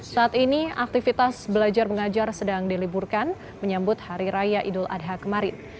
saat ini aktivitas belajar mengajar sedang diliburkan menyambut hari raya idul adha kemarin